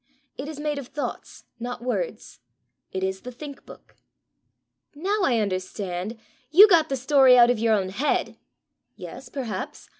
It is made of thoughts, not words. It is the Think book." "Now I understand! You got the story out of your own head!" "Yes, perhaps.